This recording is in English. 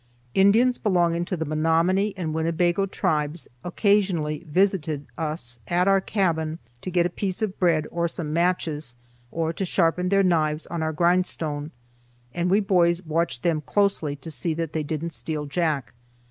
Indians belonging to the Menominee and Winnebago tribes occasionally visited us at our cabin to get a piece of bread or some matches, or to sharpen their knives on our grindstone, and we boys watched them closely to see that they didn't steal Jack.